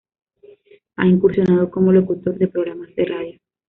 Ha incursionado como locutor de programas de radio.